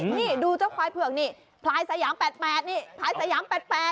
นี่ดูเจ้าควายเผือกนี่พลายสยาม๘๘นี่พลายสยาม๘๘